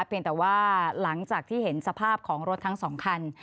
เพียงแต่ว่าหลังจากที่เห็นสภาพของรถทั้งสองคัน